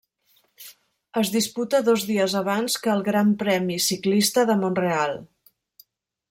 Es disputa dos dies abans que el Gran Premi Ciclista de Mont-real.